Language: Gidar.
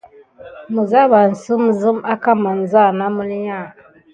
Mizabanih zime nasam aka masaha na məlinya an.